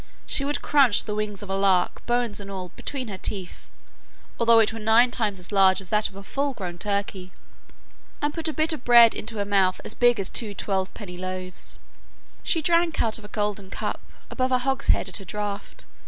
She would craunch the wing of a lark, bones and all, between her teeth, although it were nine times as large as that of a full grown turkey; and put a bit of bread into her mouth as big as two twelve penny loaves. She drank out of a golden cup, above a hogshead at a draught.